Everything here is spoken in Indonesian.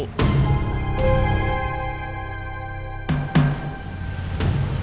justru saya ingin mengingatkan sama bu mel dah